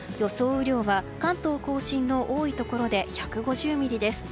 雨量は関東・甲信の多いところで１５０ミリです。